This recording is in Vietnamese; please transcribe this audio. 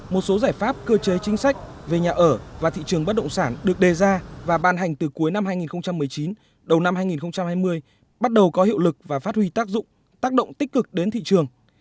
một số giải pháp cơ chế chính sách về nhà ở và thị trường bất động sản được đề ra và ban hành từ cuối năm hai nghìn một mươi chín đầu năm hai nghìn hai mươi bắt đầu có hiệu lực và phát huy tác dụng tác động tích cực đến thị trường